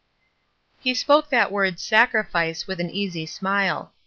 He spoke that word ''sacrifice" with an easy smile.